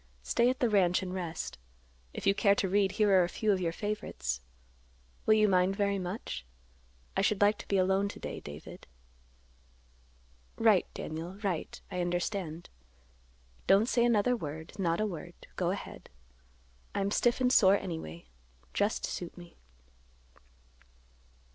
Stay at the ranch and rest. If you care to read, here are a few of your favorites. Will you mind very much? I should like to be alone to day, David." "Right, Daniel, right. I understand. Don't say another word; not a word. Go ahead. I'm stiff and sore anyway; just suit me."